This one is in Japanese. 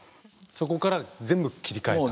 そこから全部切り替えた。